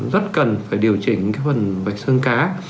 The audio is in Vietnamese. rất cần phải điều chỉnh phần vạch xương cá